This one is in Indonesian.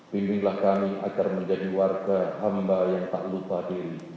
bimbinglah kami agar menjadi warga hamba yang tak lupa diri